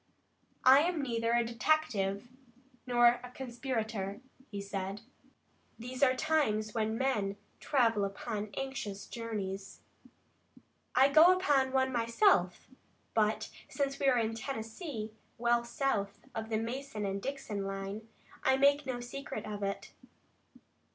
"I am neither a detective nor a conspirator," he said. "These are times when men travel upon anxious journeys. I go upon one myself, but since we are in Tennessee, well south of the Mason and Dixon line, I make no secret of it.